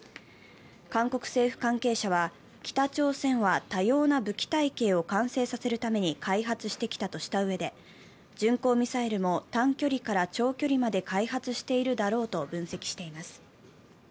韓国政府関係者は、北朝鮮は多様な武器体系を完成させるために開発してきたとしたうえで、巡航ミサイルも短距離から長距離まで開発しているだろうと分析しています。